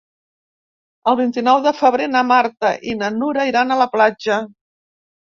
El vint-i-nou de febrer na Marta i na Nura iran a la platja.